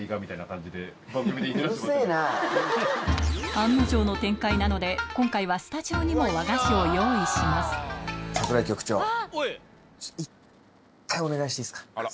案の定の展開なので今回はスタジオにも和菓子を用意しますあら！